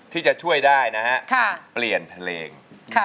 ที่จะช่วยได้นะฮะเปลี่ยนเพลง